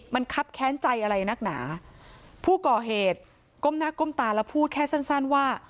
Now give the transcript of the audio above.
มันครับแค้นใจอะไรนักหนาผู้ก่อเหตุก้มหน้าก้มตาแล้วพูดแค่สั้นสั้นว่า